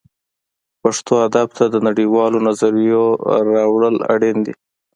پښتو ادب ته د نړۍ والو نظریو راوړل اړین دي